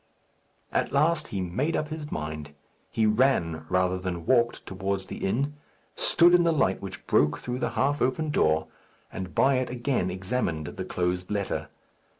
At last he made up his mind. He ran rather than walked towards the inn, stood in the light which broke through the half open door, and by it again examined the closed letter.